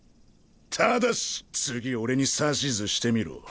ただし次俺に指図してみろ。